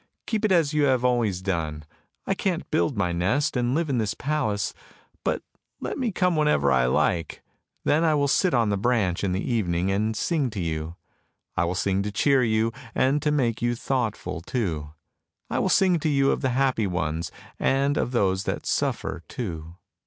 keep it as you have always done! I can't build my nest and live in this palace, but let me come whenever I like, then I will sit on the branch in the evening, and sing to you. I will sing to cheer you and to make you thoughtful too; I will sing to you of the happy ones, and of those that suffer too.